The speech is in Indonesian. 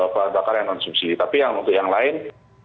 bahan bakar yang non subsidi tapi yang untuk yang lain